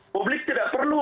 publik tidak perlu